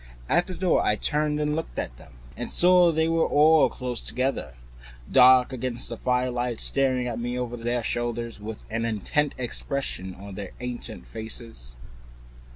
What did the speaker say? At the door I turned and looked at them, and saw they were all close together, dark against the firelight, staring at me over their shoulders, with an intent expression on their ancient faces.